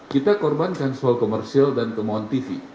kita korbankan soal komersial dan kemauan tv